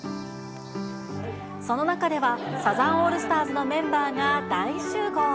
その中では、サザンオールスターズのメンバーが大集合。